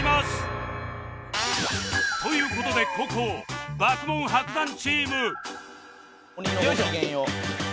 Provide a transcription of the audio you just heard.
という事で後攻爆問・伯山チームよいしょ。